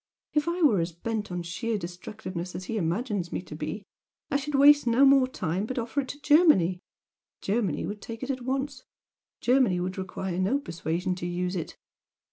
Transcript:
If I were as bent on sheer destructiveness as he imagines me to be, I should waste no more time, but offer it to Germany. Germany would take it at once Germany would require no persuasion to use it!